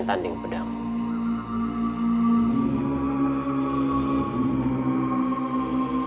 kami menerima kesalahan